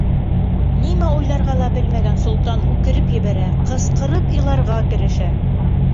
Нимә уйларға ла белмәгән солтан үкереп ебәрә, ҡысҡырып иларға керешә.